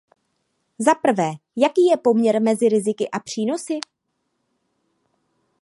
Zaprvé, jaký je poměr mezi riziky a přínosy?